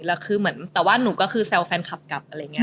แล้วคือเหมือนแต่ว่าหนูก็คือแซวแฟนคลับกลับอะไรอย่างนี้